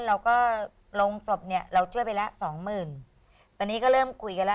เราก็ลงศพเนี่ยเราเชื่อไปละสองหมื่นตอนนี้ก็เริ่มคุยกันละ